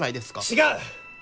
違う！